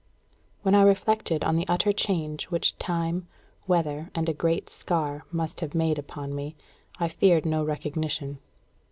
When I reflected on the utter change which time, weather, and a great scar must have made upon me, I feared no recognition.